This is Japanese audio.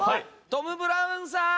トム・ブラウンさーん！